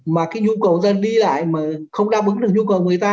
mà cái nhu cầu dân đi lại mà không đáp ứng được nhu cầu người ta